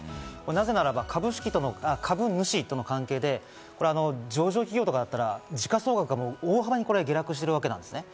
なぜならば、株主との関係で、上場企業とかだったら時価総額も大幅に下落しているわけです。